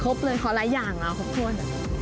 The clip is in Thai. ครบเลยขอไรอย่างล่ะครบถ้วน